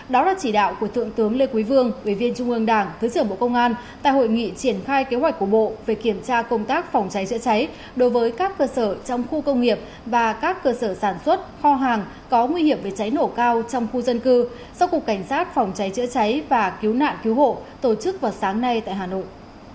đó là chỉ đạo của thượng tướng lê quý vương ủy viên trung ương đảng thứ trưởng bộ công an tại hội nghị triển khai kế hoạch của bộ về kiểm tra công tác phòng cháy chữa cháy đối với các cơ sở trong khu công nghiệp và các cơ sở sản xuất kho hàng có nguy hiểm về cháy nổ cao trong khu dân cư do cục cảnh sát phòng cháy chữa cháy và cứu nạn cứu hộ tổ chức vào sáng nay tại hà nội